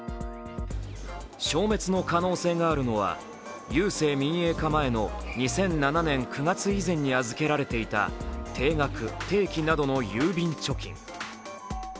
消滅の可能性があるのは、郵政民営化前の２００７年９月以前に預けられていた定額、定期などの郵便貯金。